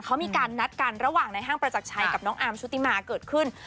เขามีการนัดกันระหว่างในห้างประจักรชัยกับน้องอาร์มชุติมาเกิดขึ้น